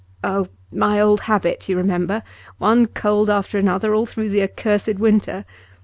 'Oh, my old habit; you remember. One cold after another, all through the accursed winter.